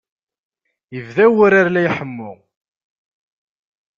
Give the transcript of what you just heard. Ibda wurar la iḥemmu.